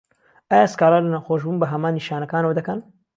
ئایا سکاڵا له نەخۆشبوون بە هەمان نیشانەکانەوه دەکەن؟